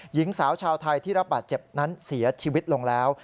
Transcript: หญิงสาวชาวไทยที่รับบาดเจ็บนั้นเสียชีวิตลงแล้ว